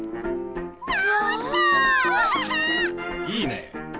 いいね！